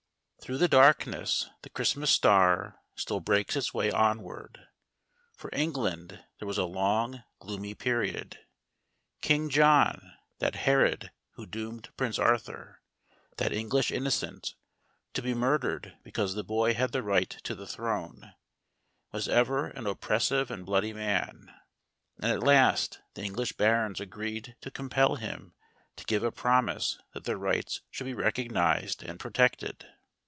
HROUGH the darkness the Christmas Star still ^ breaks its way onward. For England there was a long, gloomy period. King John — that Herod who doomed Prince Arthur, that English Innocent, to be murdered because the boy had the right to the throne, — was ever an oppressive and bloody man ; and at last the English barons agreed to compel him to give a promise that their rights should be recognized and protected.